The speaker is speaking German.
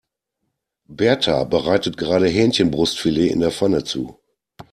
Berta bereitet gerade Hähnchenbrustfilet in der Pfanne zu.